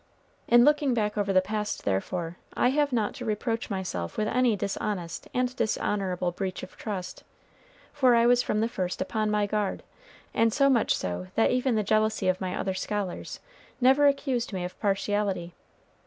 In looking back over the past, therefore, I have not to reproach myself with any dishonest and dishonorable breach of trust; for I was from the first upon my guard, and so much so that even the jealousy my other scholars never accused me of partiality.